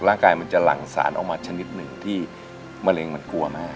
มันจะหลั่งสารออกมาชนิดหนึ่งที่มะเร็งมันกลัวมาก